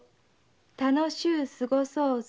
楽しゅう過ごそうぞ。